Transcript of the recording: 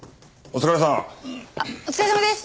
お疲れさまです！